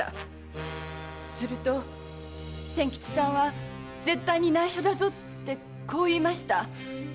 すると仙吉さんは「絶対に内緒だぞ」ってこう言いました。